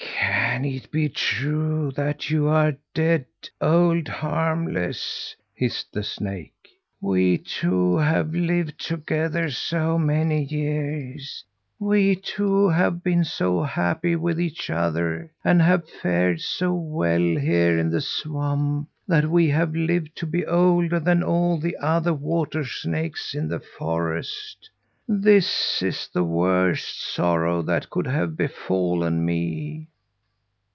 "Can it be true that you are dead, old Harmless?" hissed the snake. "We two have lived together so many years; we two have been so happy with each other, and have fared so well here in the swamp, that we have lived to be older than all the other water snakes in the forest! This is the worst sorrow that could have befallen me!"